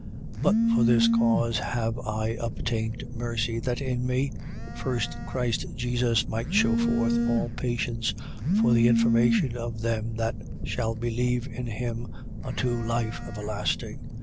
1:16. But for this cause have I obtained mercy: that in me first Christ Jesus might shew forth all patience, for the information of them that shall believe in him unto life everlasting.